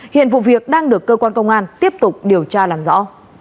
hiện vụ việc đang được cơ quan công an tiếp tục điều tra làm rõ